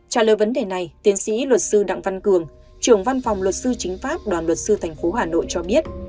trả lời vấn đề này tiến sĩ luật sư đặng văn cường trưởng văn phòng luật sư chính pháp đoàn luật sư thành phố hà nội cho biết